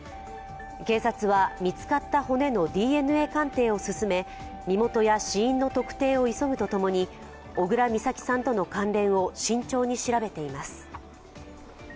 警察は見つかった骨のＤＮＡ鑑定を進め、身元や死因の特定を急ぐとともに小倉美咲さんとの関連を慎重に調べています。